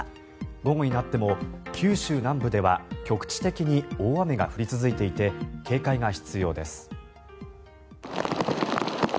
午後になっても九州南部では局地的に大雨が降り続いていて警戒が必要です。